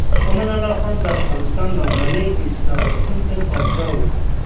امان الله خان د افغانستان لومړنی اصلاح غوښتونکی پاچا و.